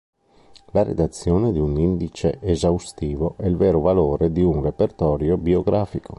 La redazione di un indice esaustivo è il vero valore di un repertorio biografico.